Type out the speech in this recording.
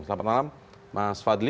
selamat malam mas fadli